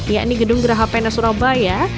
yakni gedung geraha pena surabaya